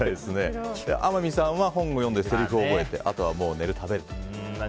天海さんは本を読んでせりふを覚えてあとは寝る、食べる。